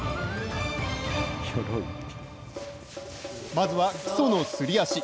まずは基礎のすり足。